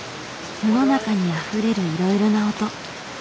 世の中にあふれるいろいろな音。